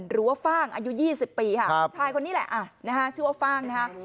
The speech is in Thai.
หรือว่าฟ่างอายุ๒๐ปีค่ะชายคนนี้แหละชื่อว่าฟ่าง